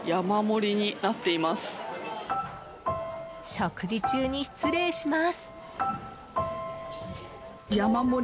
食事中に失礼します。